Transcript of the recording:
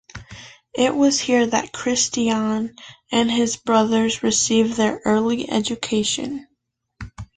It was here that Christiaan and his brothers received their early education.